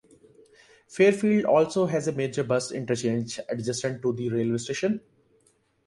Fairfield also has a major bus interchange adjacent to the railway station.